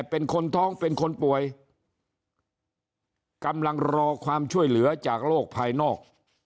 เป็นคนท้องเป็นคนป่วยกำลังรอความช่วยเหลือจากโรคภายนอก